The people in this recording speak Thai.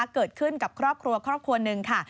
เกิดขึ้นกับครอบครัวครอบครัวหนึ่งค่ะ